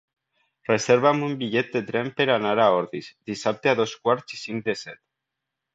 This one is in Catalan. Reserva'm un bitllet de tren per anar a Ordis dissabte a dos quarts i cinc de set.